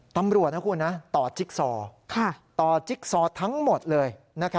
ตำรวจต่อจิกซอต่อจิกซอทั้งหมดเลย